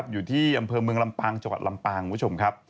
อยู่ที่อำเภอเมืองลำปางจังหวัดลำปางคุณผู้ชมครับ